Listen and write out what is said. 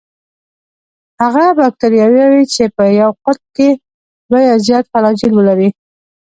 هغه باکتریاوې چې په یو قطب کې دوه یا زیات فلاجیل ولري.